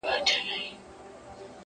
چي هغه زه له خياله وباسمه ـ